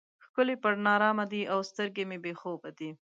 ښکلي پر نارامه دي او سترګې مې بې خوبه دي.